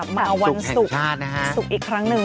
สมัครวันสุกสุขแห่งชาตินะครับ